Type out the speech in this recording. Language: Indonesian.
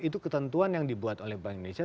itu ketentuan yang dibuat oleh bank indonesia